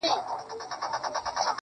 ولاړم دا ځل تر اختتامه پوري پاته نه سوم.